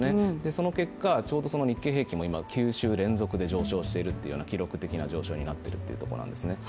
その結果、ちょうど日経平均も９週連続で上昇しているという記録的な上昇になっているというところなんですよね。